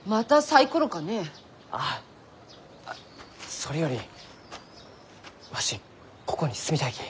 それよりわしここに住みたいき。